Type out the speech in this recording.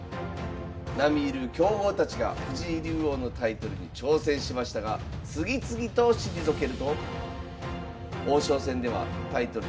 並み居る強豪たちが藤井竜王のタイトルに挑戦しましたが次々と退けると王将戦ではタイトル